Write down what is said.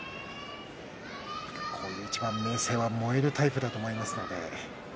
こういう一番は明生は燃えるタイプだと思いますので。